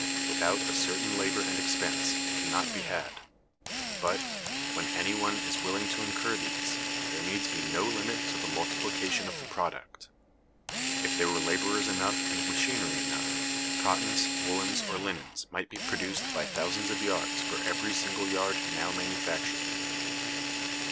Without a certain labor and expense it can not be had; but, when any one is willing to incur these, there needs be no limit to the multiplication of the product. If there were laborers enough and machinery enough, cottons, woolens, or linens might be produced by thousands of yards for every single yard now manufactured.